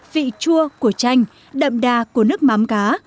vị chua của chanh đậm đà của nước mắm cá